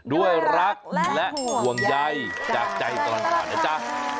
ด้วยรักและห่วงใยจากใจตลอดข่าวนะจ๊ะ